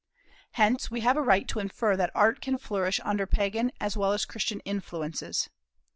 Hence we have a right to infer that Art can flourish under Pagan as well as Christian influences.